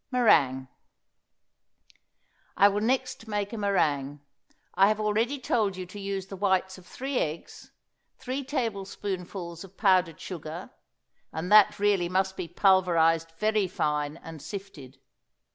MERINGUE. I will next make a meringue. I have already told you to use the whites of three eggs, three tablespoonfuls of powdered sugar and that really must be pulverized very fine and sifted.